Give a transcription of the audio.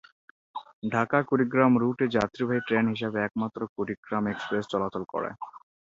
ঢাকা-কুড়িগ্রাম রুটে যাত্রীবাহী ট্রেন হিসেবে একমাত্র কুড়িগ্রাম এক্সপ্রেস চলাচল করে।